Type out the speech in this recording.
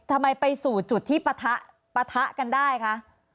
ทำไมไปสู่จุดที่ปะทะปะทะกันได้คะ